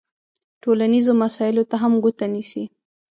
ټولنیزو مسایلو ته هم ګوته نیسي.